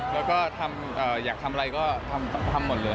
แล้วก็อยากทำอะไรก็ทำหมดเลย